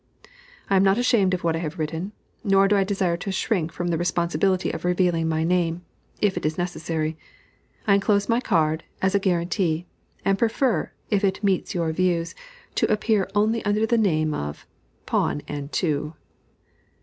I am not ashamed of what I have written, nor do I desire to shrink from the responsibility of revealing my name, if it is necessary. I enclose my card, as a guarantee, and prefer, if it meets your views, to appear only under the name of PAWN AND TWO.